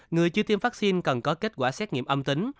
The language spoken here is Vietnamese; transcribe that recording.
người chưa tiêm vaccine cần có kết quả xét nghiệm âm tính